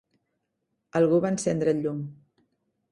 Algú va encendre el llum.